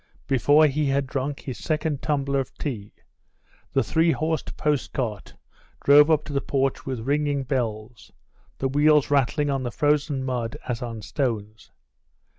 Before he had drunk his second tumbler of tea the three horsed postcart drove up to the porch with ringing bells, the wheels rattling on the frozen mud as on stones.